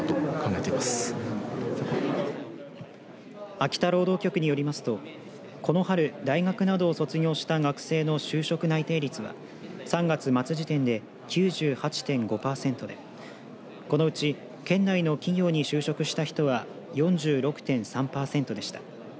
秋田労働局によりますとこの春大学など卒業した学生の就職内定率は３月末時点で９８．５パーセントでこのうち県内の企業に就職した人は４６．３パーセントでした。